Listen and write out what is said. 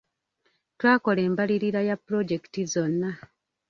Twakola embalirira ya pulojekiti zonna.